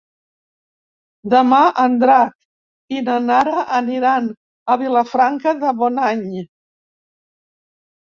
Demà en Drac i na Nara aniran a Vilafranca de Bonany.